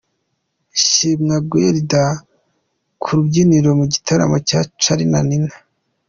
Shimwa Guelda ku rubyiniro mu gitaramo cya Charly na Nina.